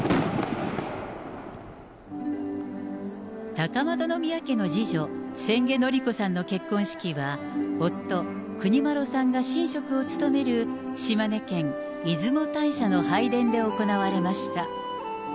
高円宮家の次女、千家典子さんの結婚式は、夫、国麿さんが神職を務める島根県出雲大社の拝殿で行われました。